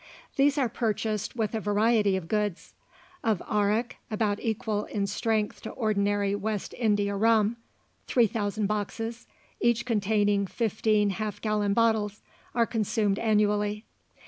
These are purchased with a variety of goods. Of arrack, about equal in strength to ordinary West India rum, 3,000 boxes, each containing fifteen half gallon bottles, are consumed annually.